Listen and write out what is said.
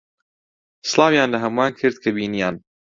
سڵاویان لە ھەمووان کرد کە بینییان.